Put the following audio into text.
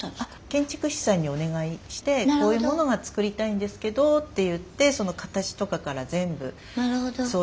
建築士さんにお願いして「こういうものが作りたいんですけど」って言って形とかから全部相談しながら。